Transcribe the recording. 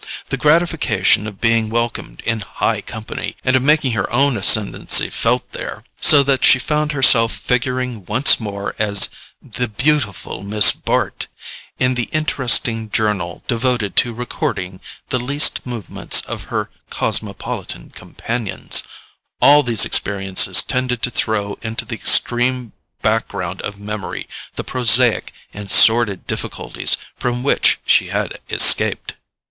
The gratification of being welcomed in high company, and of making her own ascendency felt there, so that she found herself figuring once more as the "beautiful Miss Bart" in the interesting journal devoted to recording the least movements of her cosmopolitan companions—all these experiences tended to throw into the extreme background of memory the prosaic and sordid difficulties from which she had escaped.